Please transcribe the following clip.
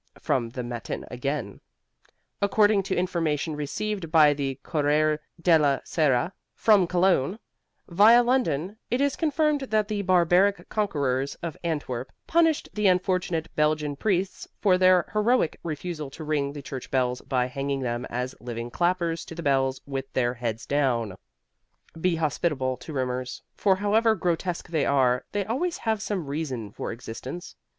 From the Matin again: "According to information received by the Corriere Della Sera, from Cologne, via London, it is confirmed that the barbaric conquerors of Antwerp punished the unfortunate Belgian priests for their heroic refusal to ring the church bells by hanging them as living clappers to the bells with their heads down." Be hospitable to rumors, for however grotesque they are, they always have some reason for existence.